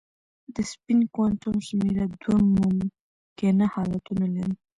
د سپین کوانټم شمېره دوه ممکنه حالتونه لري.